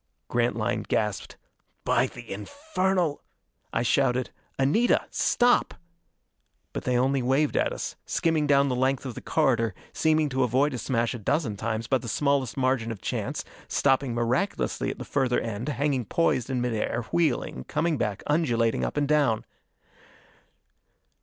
Grantline gasped, "By the infernal!" I shouted, "Anita, stop!" But they only waved at us, skimming down the length of the corridor, seeming to avoid a smash a dozen times by the smallest margin of chance, stopping miraculously at the further end, hanging poised in mid air, wheeling, coming back, undulating up and down.